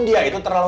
dia itu terang